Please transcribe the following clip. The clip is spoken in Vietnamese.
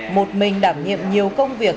một mình đảm nhiệm nhiều công việc